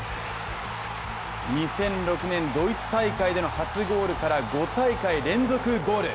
２００６年、ドイツ大会での初ゴールから５大会連続ゴール。